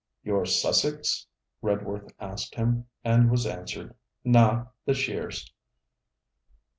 'You're Sussex?' Redworth asked him, and was answered: 'Naw; the Sheers.'